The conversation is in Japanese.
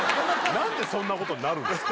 何でそんなことになるんですか